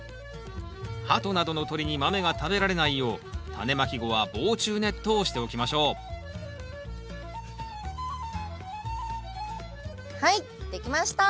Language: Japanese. ハトなどの鳥にマメが食べられないようタネまき後は防虫ネットをしておきましょうはい出来ました！ＯＫ！